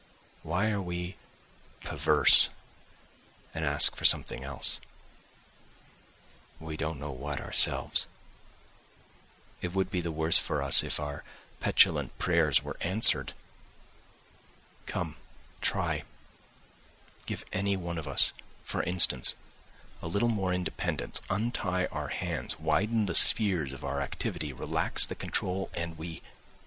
Why are we perverse and ask for something else? We don't know what ourselves. It would be the worse for us if our petulant prayers were answered. Come, try, give any one of us, for instance, a little more independence, untie our hands, widen the spheres of our activity, relax the control and we